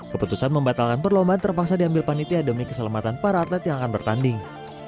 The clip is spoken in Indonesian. keputusan membatalkan perlombaan terpaksa diambil panitia demi keselamatan para atlet yang akan bertanding